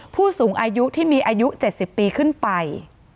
ผู้สูงอายุที่มีอายุ๗๐ปีขึ้นไป